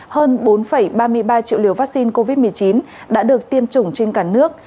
hơn bốn ba mươi ba triệu liều vaccine covid một mươi chín đã được tiêm chủng trên cả nước